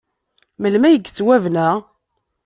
Melmi ay yettwabna?